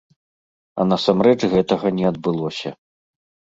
А насамрэч гэтага не адбылося.